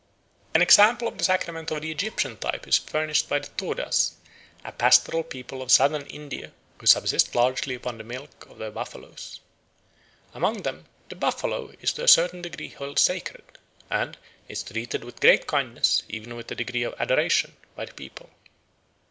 An example of a sacrament of the Egyptian type is furnished by the Todas, a pastoral people of Southern India, who subsist largely upon the milk of their buffaloes. Amongst them "the buffalo is to a certain degree held sacred" and "is treated with great kindness, even with a degree of adoration, by the people."